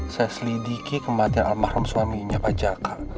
saya selidiki kematian al mahram suaminya pak jaka